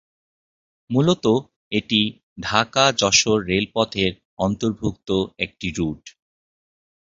মূলত এটি ঢাকা-যশোর রেলপথ-এর অন্তর্ভুক্ত একটি রুট।